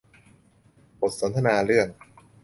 บทสนทนาเรื่อง